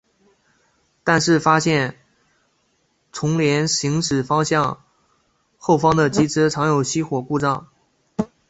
但是发现重联行驶方向后方的机车常有熄火故障。